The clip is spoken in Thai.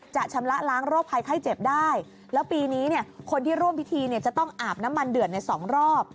ชำระล้างโรคภัยไข้เจ็บได้แล้วปีนี้เนี่ยคนที่ร่วมพิธีเนี่ยจะต้องอาบน้ำมันเดือดในสองรอบ